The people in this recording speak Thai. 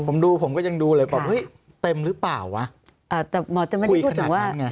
ผมดูผมก็ยังดูเลยบอกเฮ้ยเต็มหรือเปล่าวะ